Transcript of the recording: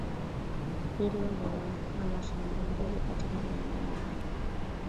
i hilo linalopanga mashambulizi katika maeneo ya mahakama